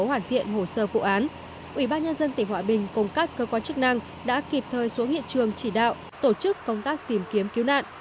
hoàn thiện hồ sơ vụ án ubnd tỉnh hòa bình cùng các cơ quan chức năng đã kịp thời xuống hiện trường chỉ đạo tổ chức công tác tìm kiếm cứu nạn